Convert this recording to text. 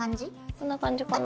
こんな感じかな。